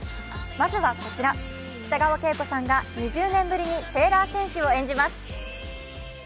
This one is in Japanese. まずはこちら、北川景子さんが２０年ぶりにセーラー戦士を演じます。